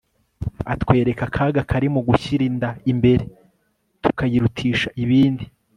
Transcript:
atwereka akaga kari mu gushyira inda imbere, tukayirutisha ibindi